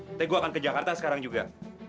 nanti gue akan ke jakarta sekarang juga